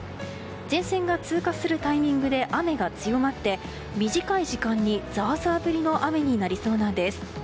前線が通過するタイミングで雨が強まって短い時間にザーザー降りの雨になりそうなんです。